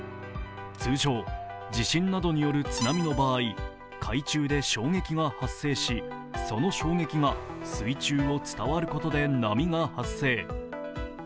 通常、地震などによる津波の場合、海中で衝撃が発生し、その衝撃が水中を伝わることで波が発生。